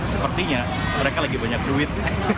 sepertinya mereka lagi banyak duit